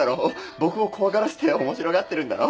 僕を怖がらせて面白がってるんだろ？